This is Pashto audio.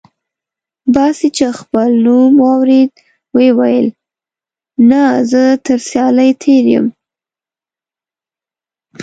باسي چې خپل نوم واورېد وې ویل: نه، زه تر سیالۍ تېر یم.